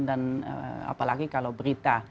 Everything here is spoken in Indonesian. dan apalagi kalau berita